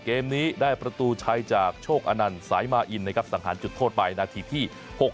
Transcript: เกมนี้ได้ประตูชัยจากโชคอนันต์สายมาอินนะครับสังหารจุดโทษไปนาทีที่๖๖